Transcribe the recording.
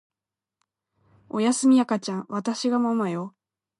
おやすみ赤ちゃんわたしがママよ